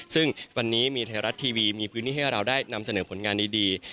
ซึ่งวันนี้มีไทยรัฐทีวีมีพื้นที่ให้เราได้นำเสนอผลงานดี